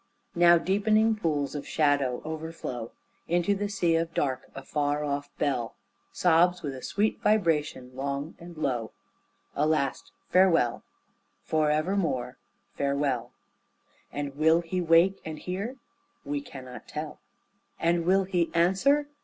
Now deepening pools of shadow overflow Into the sea of dark; a far off bell Sobs with a sweet vibration long and slow A last farewell, forevermore, farewell; And will He wake and hear? We cannot tell; And will He answer?